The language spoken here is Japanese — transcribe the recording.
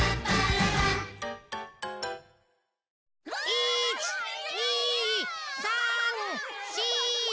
１２３４。わ！